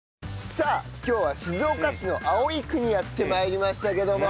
さあ今日は静岡市の葵区にやって参りましたけども。